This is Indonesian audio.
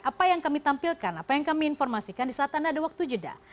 apa yang kami tampilkan apa yang kami informasikan di saat anda ada waktu jeda